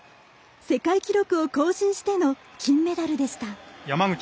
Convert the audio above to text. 世界記録を更新しての金メダルでした。